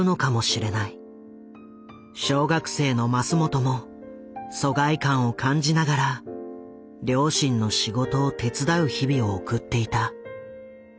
小学生のマスモトも疎外感を感じながら両親の仕事を手伝う日々を送っていた。